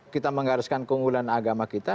kita mengharuskan keunggulan agama kita